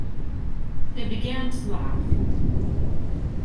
They began to laugh.